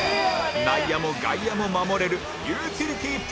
内野も外野も守れるユーティリティープレーヤー